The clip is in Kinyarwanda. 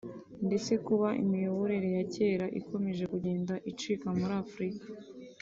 ndetse kuba imiyoborere ya kera ikomeje kugenda icika muri Afurika